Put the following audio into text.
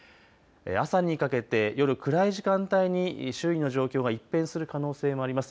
朝にかけて夜暗い時間帯に周囲の状況が一変する可能性もあります。